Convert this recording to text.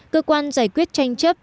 cơ quan giải quyết tranh chấp